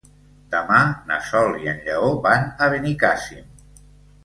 Demà na Sol i en Lleó van a Benicàssim.